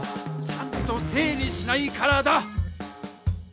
ちゃんと整理しないからだ！